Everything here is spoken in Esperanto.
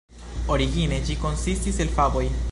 Origine, ĝi konsistis el faboj.